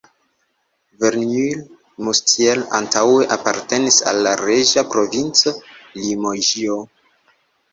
Verneuil-Moustiers antaŭe apartenis al la reĝa provinco Limoĝio.